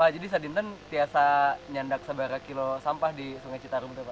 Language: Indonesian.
jadi saat ini tiada sebarang kilo sampah di sungai citarum